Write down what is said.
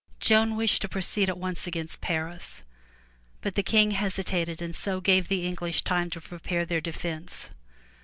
Joan wished to proceed at once against Paris, but the King hesitated and so gave the English time to prepare their defense.